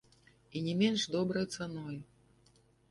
І не менш добрай цаной.